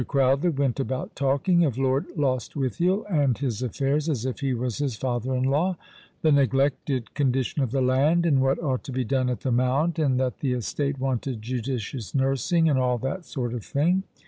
Crowther went about talking of Lord Lostwithiel and his affairs as if he was his father in law — the neglected con dition of the land, and what ought to be done at the Mount, and that the estate wanted judicious nursing, and all that sort of thing.